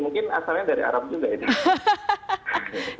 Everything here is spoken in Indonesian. mungkin asalnya dari arab juga ini